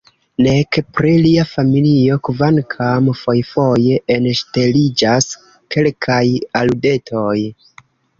Nek pri lia familio – kvankam fojfoje enŝteliĝas kelkaj aludetoj.